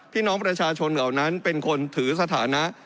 พี่น้องประชาชนเหล่านั้นเป็นคนถือสถานะ